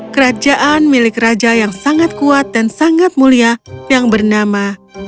kerajaan milik raja yang sangat kuat dan sangat mulia yang bernama